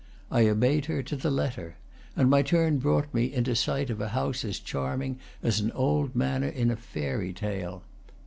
I obeyed her to the letter, and my turn brought me into sight of a house as charming as an old manor in a fairy tale.